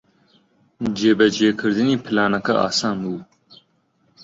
جێبەجێکردنی پلانەکە ئاسان بوو.